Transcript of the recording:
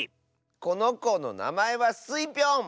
このこのなまえはスイぴょん！